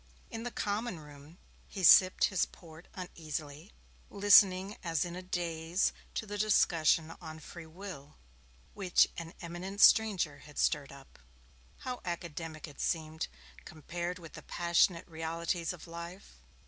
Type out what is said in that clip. In the common room, he sipped his port uneasily, listening as in a daze to the discussion on Free Will, which an eminent stranger had stirred up. How academic it seemed, compared with the passionate realities of life.